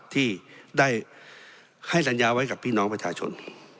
ที่ได้ให้สัญญาไว้กับพี่น้องประชาชน